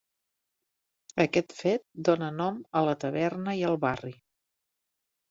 Aquest fet dóna nom a la taverna i al barri.